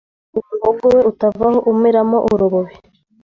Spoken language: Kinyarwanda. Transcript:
ngo umuhogo we utavaho umeramo urubobi